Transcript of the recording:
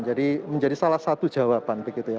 jadi menjadi salah satu jawaban begitu ya